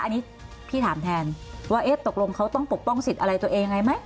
อันนี้พี่ถามแทนว่าเอ๊ะตกลงเขาต้องปกป้องสิทธิ์อะไรตัวเองยังไงไหม